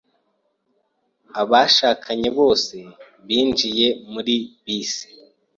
Abashakanye bose binjiye muri bisi.